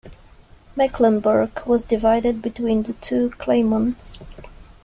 Mecklenburg was divided between the two claimants.